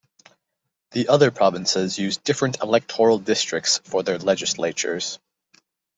The other provinces use different electoral districts for their legislatures.